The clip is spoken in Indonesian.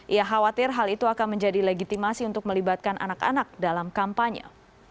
ia khawatir hal itu akan menjadi legitimasi untuk melibatkan anak anak dalam kampanye